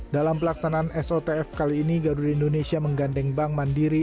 dalam pelaksanaan sotf kali ini garuda indonesia menggandeng bank mandiri